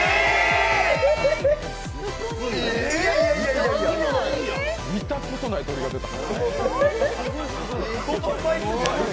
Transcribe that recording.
いや、見たことない鳥が出た！